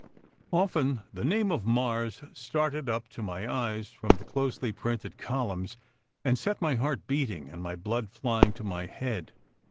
Often the name of Mars started up to my eyes from the closely printed columns and set my heart beating and my blood flying to my head.